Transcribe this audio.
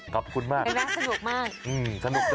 ขอบคุณมากมันดูสนุกมาก